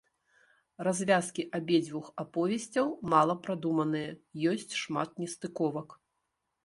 Развязкі абедзвюх аповесцяў мала прадуманыя, ёсць шмат нестыковак.